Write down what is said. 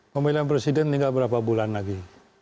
pemilihan presiden tinggal berapa bulan lagi